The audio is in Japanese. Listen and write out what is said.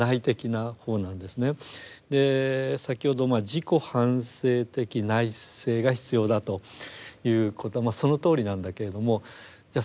先ほど自己反省的内省が必要だということはまあそのとおりなんだけれどもじゃ